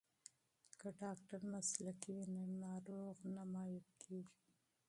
که ډاکټر مسلکی وي نو ناروغ نه معیوب کیږي.